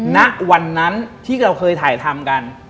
ณวันนั้นที่เราเคยถ่ายทำกัน